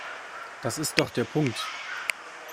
Das ist doch der Punkt!